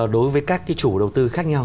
đối với các cái chủ đầu tư khác nhau